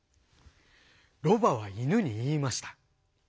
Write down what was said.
ロバはイヌにいいました。